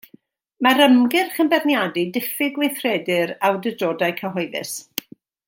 Mae'r ymgyrch yn beirniadu diffyg gweithredu'r awdurdodau cyhoeddus.